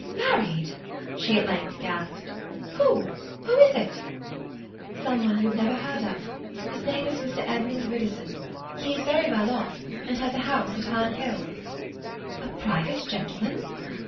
"Married?" she at length gasped. "Who—who is it?" "Some one you have never heard of. His name is Mr. Edmund Widdowson. He is very well off, and has a house at Herne Hill." "A private gentleman?"